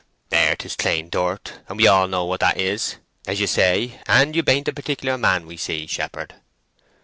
There, 'tis clane dirt; and we all know what that is, as you say, and you bain't a particular man we see, shepherd."